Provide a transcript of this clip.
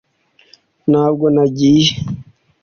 ntabwo nagiye,